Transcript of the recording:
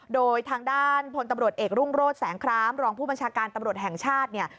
โดยทางด้านพลตำรวจเอกรุ่งโรธแสงครามรองผู้บัญชาการตำรวจแห่งชาติเนี่ย